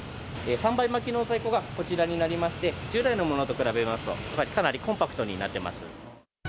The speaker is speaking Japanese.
３倍巻きの在庫がこちらになりまして、従来のものと比べますと、かなりコンパクトになってます。